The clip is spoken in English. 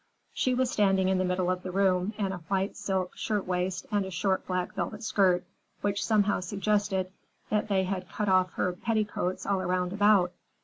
She was standing in the middle of the room, in a white silk shirtwaist and a short black velvet skirt, which somehow suggested that they had 'cut off her petticoats all round about.